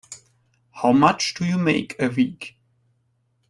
How much do you make a week?